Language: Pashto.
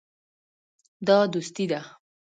دا دوستي ده.